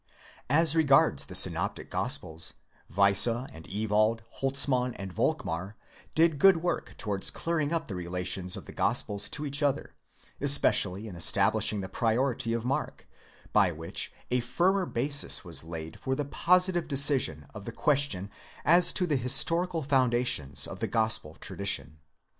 As re gards the Synoptic Gospels, Weisse and Ewald, Holtzmann and Volkmar, did good work towards clearing up the relations of the Gospels to each other, especially in establishing the priority of Mark, by which a firmer basis was laid for the positive decision of the question as to the historical foundations of the gospel tradition.